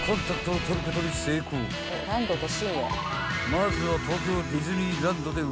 ［まずは］